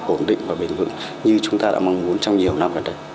ổn định và bền vững như chúng ta đã mong muốn trong nhiều năm gần đây